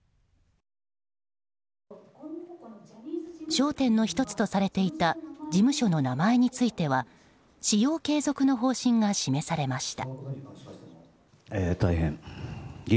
焦点の１つとされていた事務所の名前については使用継続の方針が示されました。